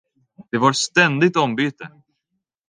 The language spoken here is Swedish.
Det var ständigt ombyte.